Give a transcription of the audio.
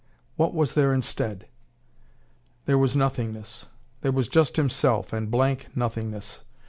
What was there instead? There was nothingness. There was just himself, and blank nothingness.